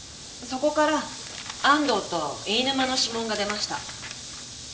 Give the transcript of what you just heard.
そこから安藤と飯沼の指紋が出ました。